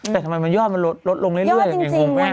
แต่ทำไมมันยอดมันลดลงเรื่อยยังไงงงแม่